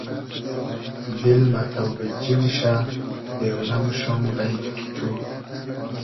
دیل مۂ تۆبیلجی موشۂ دېونۂ موشوم غݷدی کی تو